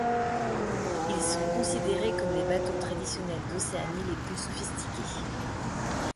Ils sont considérés comme les bateaux traditionnels d'Océanie les plus sophistiqués.